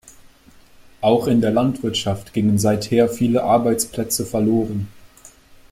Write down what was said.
Auch in der Landwirtschaft gingen seither viele Arbeitsplätze verloren.